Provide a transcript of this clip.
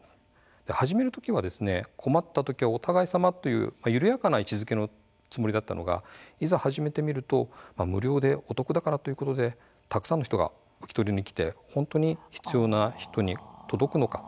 始めるときは、困ったときはお互い様という緩やかな位置づけのつもりだったのがいざ始めてみると無料でお得だからということでたくさんの人が受け取りに来て本当に必要な人に届くのか。